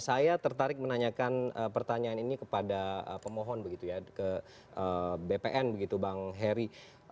saya tertarik menanyakan pertanyaan ini kepada pemohon ke bpn bang heri